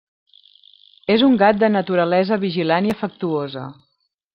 És un gat de naturalesa vigilant i afectuosa.